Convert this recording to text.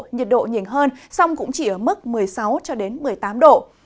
nhiệt độ nhỉnh hơn song cũng chỉ ở mức một mươi sáu một mươi tám độ